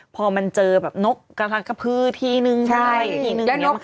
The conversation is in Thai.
พอมันเจอนกกระพื้นทีนึงมันเข้าจมูก